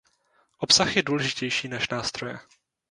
Obsah je důležitější než nástroje.